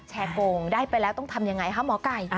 โกงได้ไปแล้วต้องทำยังไงคะหมอไก่